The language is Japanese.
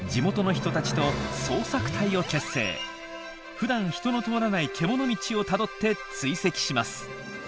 ふだん人の通らないけもの道をたどって追跡します。